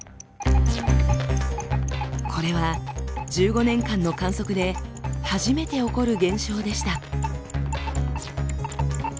これは１５年間の観測で初めて起こる現象でした。